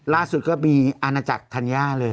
ล่าสุดก็มีอาณาจักรธัญญาเลย